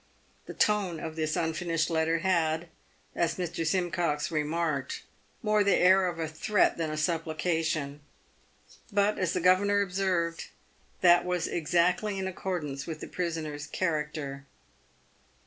The tone of this unfinished letter had, as Mr. Simcox re marked, more the air of a threat than a supplication ; but, as the governor observed, that was exactly in accordance with the prisoner's character.